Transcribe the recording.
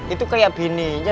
itu kayak binatang ya